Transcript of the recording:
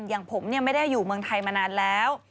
อย่างผมไม่ได้อยู่เมืองไทยมานานแล้ว